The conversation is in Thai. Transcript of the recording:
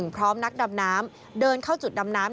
พร้อมนักดำน้ำเดินเข้าจุดดำน้ำ